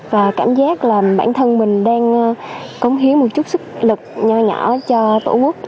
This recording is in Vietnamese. và cảm giác là bản thân mình đang cống hiến một chút sức lực nhỏ nhỏ cho tổ quốc